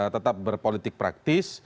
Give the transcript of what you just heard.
tetap berpolitik praktis